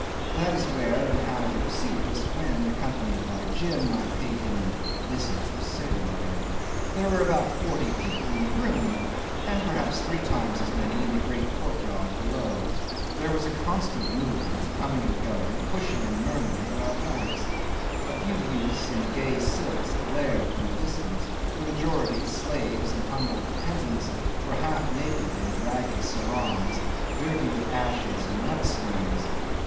That is where and how he received us when, accompanied by Jim, I paid him a visit of ceremony. There were about forty people in the room, and perhaps three times as many in the great courtyard below. There was constant movement, coming and going, pushing and murmuring, at our backs. A few youths in gay silks glared from the distance; the majority, slaves and humble dependants, were half naked, in ragged sarongs, dirty with ashes and mud stains.